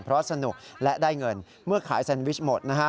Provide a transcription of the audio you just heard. เพราะสนุกและได้เงินเมื่อขายแซนวิชหมดนะฮะ